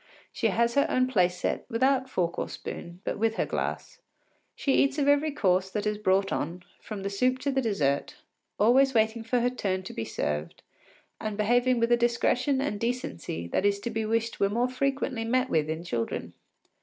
She has her own place set, without fork or spoon, but with her glass. She eats of every course that is brought on, from the soup to the dessert, always waiting for her turn to be served and behaving with a discretion and decency that it is to be wished were more frequently met with in children.